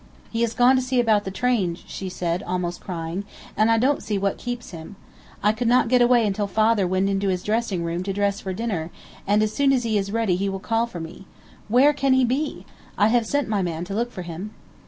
"He has gone to see about the trains," she said, almost crying, "and I don't see what keeps him. I could not get away until father went into his room to dress for dinner, and as soon as he is ready he will call for me. Where can he be? I have sent my man to look for him."